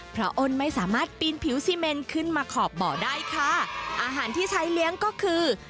เพราะอ้อนไม่สามารถปีนผิวแซเมนของหมออาหารใช้เลี้ยงไปก็คือ